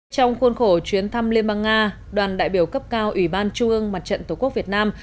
trong khuôn khổ chuyến thăm liên bang nga đoàn đại biểu cấp cao ủy ban trung ương mặt trận tổ quốc việt nam